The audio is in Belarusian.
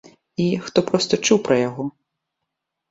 І, хто проста чуў пра яго.